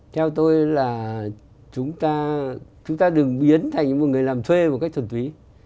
theo tôi là chúng ta đừng biến thành một người làm thuê một cách thuần túy